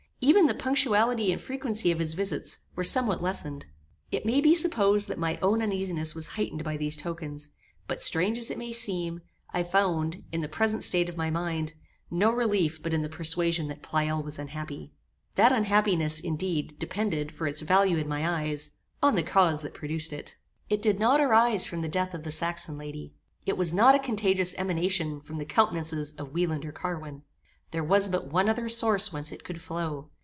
Even the punctuality and frequency of his visits were somewhat lessened. It may be supposed that my own uneasiness was heightened by these tokens; but, strange as it may seem, I found, in the present state of my mind, no relief but in the persuasion that Pleyel was unhappy. That unhappiness, indeed, depended, for its value in my eyes, on the cause that produced it. It did not arise from the death of the Saxon lady: it was not a contagious emanation from the countenances of Wieland or Carwin. There was but one other source whence it could flow.